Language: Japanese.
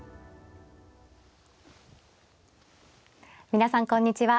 皆さんこんにちは。